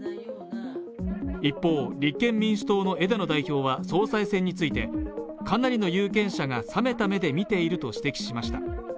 一方、立憲民主党の枝野代表は総裁選について、かなりの有権者が冷めた目で見ていると指摘しました。